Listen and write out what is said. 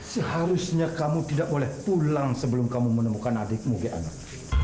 seharusnya kamu tidak boleh pulang sebelum kamu menemukan adikmu di anak